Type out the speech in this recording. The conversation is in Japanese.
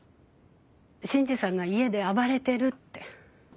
新次さんが家で暴れてるって。